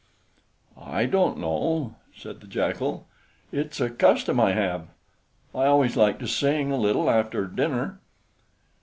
"I don't know," said the Jackal. "It is a custom I have. I always like to sing a little after dinner."